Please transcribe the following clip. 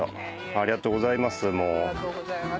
ありがとうございます。